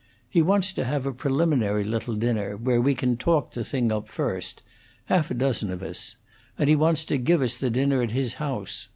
He wants to have a preliminary little dinner, where we can talk the thing up first half a dozen of us; and he wants to give us the dinner at his house.